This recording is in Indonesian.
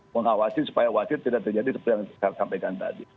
mengawasi supaya wasit tidak terjadi seperti yang saya sampaikan tadi